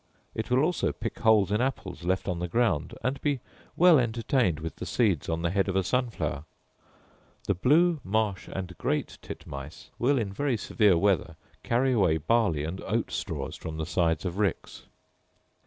It will also pick holes in apples left on the ground, and be well entertained with the seeds on the head of a sunflower. The blue, marsh, and great titmice will, in very severe weather, carry away barley and oat straws from the sides of ricks.